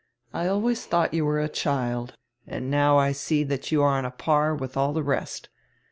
I always thought you were a child, and now I see that you are on a par with all the rest.